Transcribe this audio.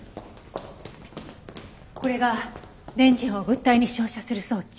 これが電磁波を物体に照射する装置。